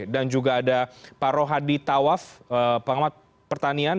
dan juga ada pak rohadi tawaf pengamat pertanian